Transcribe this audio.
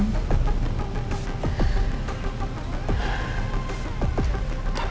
tapi aku gak butuh itu semua bu